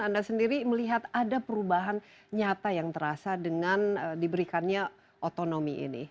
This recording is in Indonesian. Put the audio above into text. anda sendiri melihat ada perubahan nyata yang terasa dengan diberikannya otonomi ini